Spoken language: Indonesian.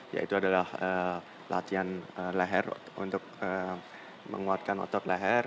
yaitu adalah latihan leher untuk menguatkan otot leher